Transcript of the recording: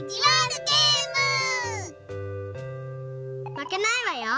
まけないわよ！